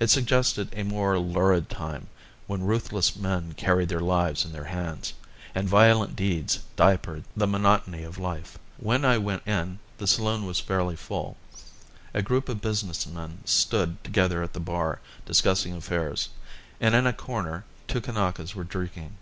It suggested a more lurid time, when ruthless men carried their lives in their hands, and violent deeds diapered the monotony of life. When I went in the saloon was fairly full. A group of business men stood together at the bar, discussing affairs, and in a corner two Kanakas were drinking.